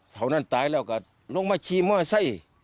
เท้านั่นตายแล้วก็ลงมาชีมะไส้